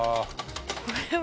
これは。